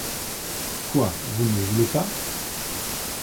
Quoi vous ne voulez pas ?…